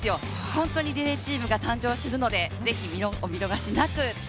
本当にリレーチームが誕生するので是非、お見逃しなく。